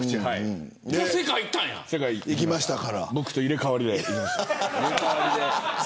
僕と入れ替わりで行きました。